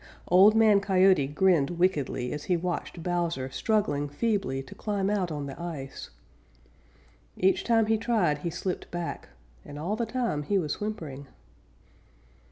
Old Man Coyote grinned wickedly as he watched Bowser struggling feebly to climb out on the ice. Each time he tried he slipped back, and all the time he was whimpering.